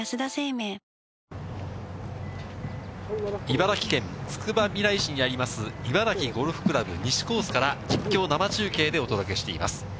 茨城県つくばみらい市にあります、茨城ゴルフ倶楽部西コースから、実況生中継でお届けしています。